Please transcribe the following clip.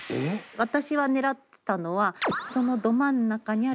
私は狙ってたのはそのど真ん中にあるここの。